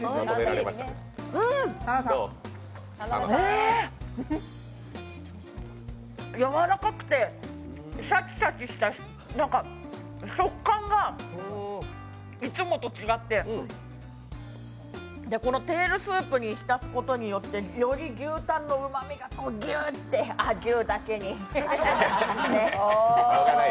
えやわらかくてシャキシャキした食感がいつもと違って、このテールスープい浸すことによってより牛タンのうまみがギュッてあっ、牛だけに。